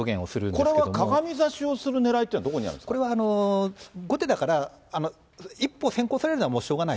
これはかがみ指しをするねらいというのはどこにあるんですかこれは後手だから、一歩先行されるのはしょうがない。